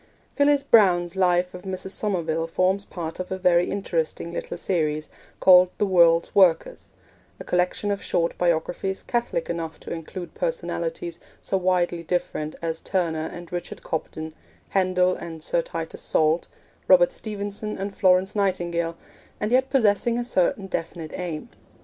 Phyllis Browne's Life of Mrs. Somerville forms part of a very interesting little series, called 'The World's Workers' a collection of short biographies catholic enough to include personalities so widely different as Turner and Richard Cobden, Handel and Sir Titus Salt, Robert Stephenson and Florence Nightingale, and yet possessing a certain definite aim.